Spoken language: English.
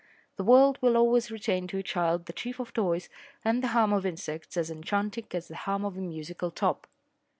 The world will always remain to a child the chief of toys, and the hum of insects as enchanting as the hum of a musical top.